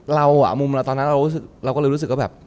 เราอ่ะมุมเราตอนนั้นเราก็เลยรู้สึกว่าแบบ